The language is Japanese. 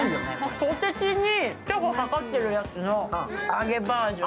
ポテチにかかってるやつの揚げバージョン。